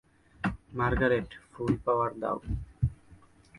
Margaret, full power দাও।